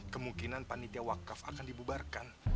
kemungkinan panitia wakaf akan dibubarkan